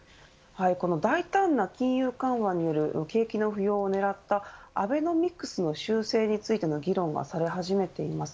大胆な金融緩和による景気の浮揚を狙ったアベノミクスの修正について議論され始めています。